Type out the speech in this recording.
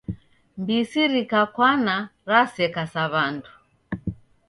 Mbisi rikakwana raseka sa W'andu.